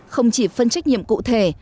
không chỉ phân trích nhiệm cụ thể